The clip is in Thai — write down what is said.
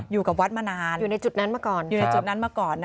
อยู่กับวัดมานานอยู่ในจุดนั้นมาก่อน